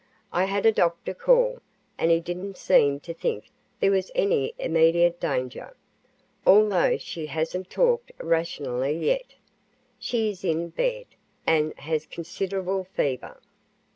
"I had a doctor call, and he didn't seem to think there was any immediate danger, although she hasn't talked rationally yet. She is in bed, and has considerable fever."